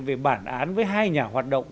về bản án với hai nhà hoạt động